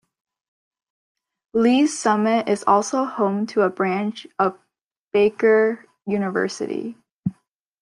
Lee's Summit is also home to a branch of Baker University.